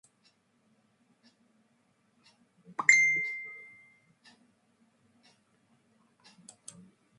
ჩრდილო-აღმოსავლეთიდან ესაზღვრება ლუბომბოს რეგიონს და ჩრდილო-დასავლეთიდან მანზინის რეგიონს, ასევე სამხრეთ აფრიკის რესპუბლიკას სამხრეთიდან.